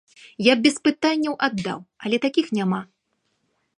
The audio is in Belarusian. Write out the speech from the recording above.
Я б без пытанняў аддаў, але такіх няма.